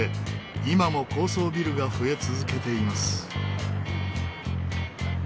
今も高層ビルが増え続けています。